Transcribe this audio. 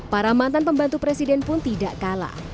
para mantan pembantu presiden pun tidak kalah